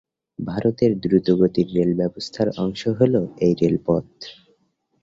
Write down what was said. ভারতের দ্রুতগতির রেল ব্যবস্থার অংশ হল এই রেলপথ।